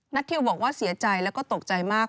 ทิวบอกว่าเสียใจแล้วก็ตกใจมาก